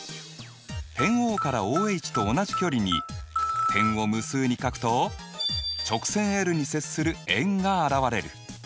点ＯからＯＨと同じ距離に点を無数に描くと直線ｌに接する円が現れる。